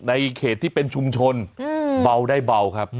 ในเขตที่เป็นชุมชนเบาได้เบาครับ